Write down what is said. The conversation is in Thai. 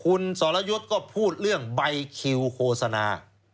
คุณสรยุทธ์ก็พูดเรื่องใบคิวโฆษณา